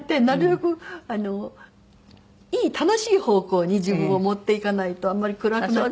なるべく楽しい方向に自分を持っていかないとあんまり暗く。